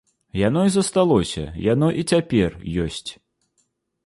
Яно і засталося, яно і цяпер ёсць.